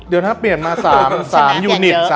เดี๋ยวถ้าเปลี่ยนมา๓ยูนิต